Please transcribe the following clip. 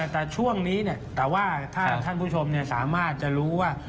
แต่ช่วงนี้แต่ว่าถ้าท่านผู้ชมสามารถจะรู้ว่า